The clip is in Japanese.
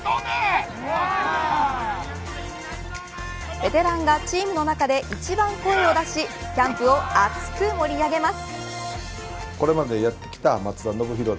ベテランがチームの中で一番声を出しキャンプを熱く盛り上げます。